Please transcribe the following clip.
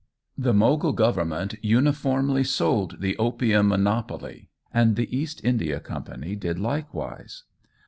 The Mogul Government uniformly sold the opium monopoly, and the East India Company did likewise.